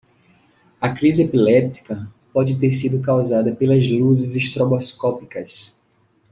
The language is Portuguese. A crise epiléptica pode ter sido causada pelas luzes estroboscópicas.